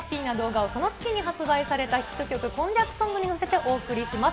ハッピーな動画をその月に発売されたヒット曲、今昔ソングに乗せてお送りします。